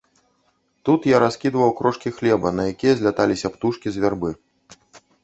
Тут я раскідваў крошкі хлеба, на якія зляталіся птушкі з вярбы.